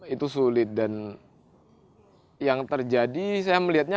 itu sulit dan yang terjadi saya melihatnya